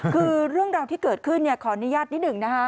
คือเรื่องราวที่เกิดขึ้นขออนุญาตนิดหนึ่งนะคะ